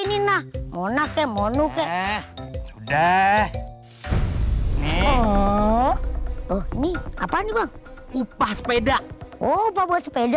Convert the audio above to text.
ini nah monake monoke udah nih apa nih upah sepeda upah sepeda